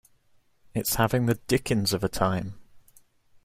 It's having the dickens of a time.